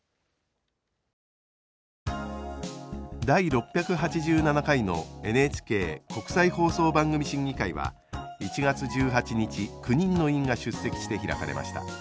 第６８７回のＮＨＫ国際放送番組審議会は１月１８日９人の委員が出席して開かれました。